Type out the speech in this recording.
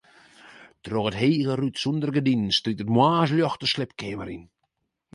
Troch it hege rút sûnder gerdinen strykt it moarnsljocht de sliepkeamer yn.